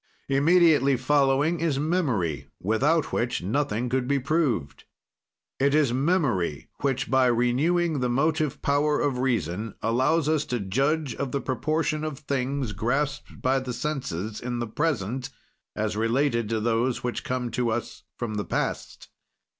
"Immediately following is memory, without which nothing could be proved. "It is memory, which, by renewing the motive power of reason, allows us to judge of the proportion of things, grasped by the senses in the present as related to those which come to us from the past.